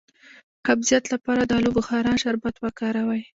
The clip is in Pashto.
د قبضیت لپاره د الو بخارا شربت وکاروئ